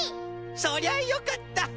そりゃよかった！